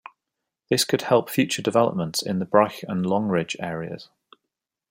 This could help future developments in the Breich and Longridge areas.